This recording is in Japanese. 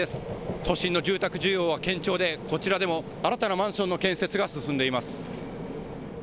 都心の住宅需要は堅調でこちらでも新たなマンションの建設が進んでいます。